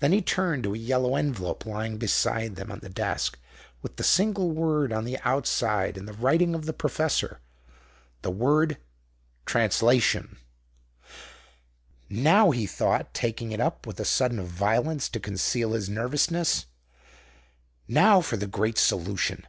Then he turned to a yellow envelope lying beside them in the desk, with the single word on the outside in the writing of the professor the word Translation. "Now," he thought, taking it up with a sudden violence to conceal his nervousness, "now for the great solution.